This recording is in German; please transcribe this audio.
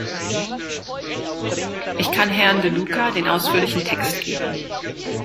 Ich kann Herrn De Luca den ausführlichen Text geben.